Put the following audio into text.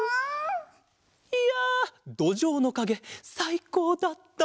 いやどじょうのかげさいこうだった！